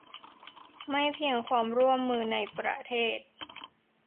ไม่เพียงความร่วมมือในประเทศ